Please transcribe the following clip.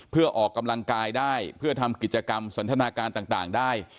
เพื่อออกกำลังกายได้เพื่อทำกิจกรรมสันทนาการต่างได้